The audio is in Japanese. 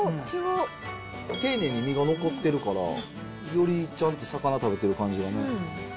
丁寧に身が残ってるから、よりちゃんと魚食べてる感じだね。